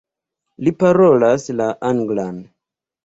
Li parolas la anglan.